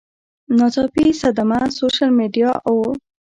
ناڅاپي صدمه ، سوشل میډیا اوور